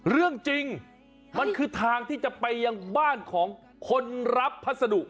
เรื่องจริงมันคือทางที่จะไปยังบ้านของคนรับพัสดุ